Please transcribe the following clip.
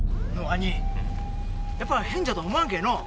やっぱ変じゃと思わんけぇのぅ？